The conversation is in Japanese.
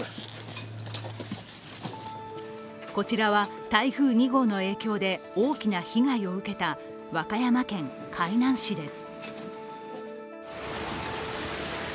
こちらは台風２号の影響で大きな被害を受けた和歌山県海南市です。